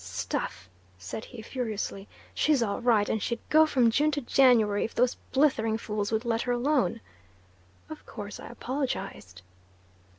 "Stuff!" said he furiously; "she's all right, and she'd go from June to January if those blithering fools would let her alone." Of course I apologised.